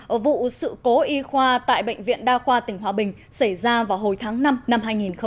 ở vụ sự cố y khoa tại bệnh viện đa khoa tỉnh hòa bình xảy ra vào hồi tháng năm năm hai nghìn một mươi bảy